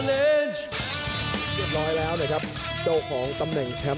เรียบร้อยแล้วนะครับเจ้าของตำแหน่งแชมป์